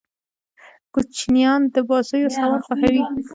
کوچنيان د بازيو سامان خوښيي.